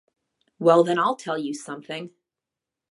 Well, then, I'll tell you something.